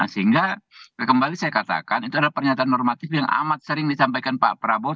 sehingga kembali saya katakan itu adalah pernyataan normatif yang amat sering disampaikan pak prabowo